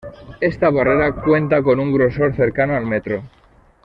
Esta barrera cuenta con un grosor cercano al metro.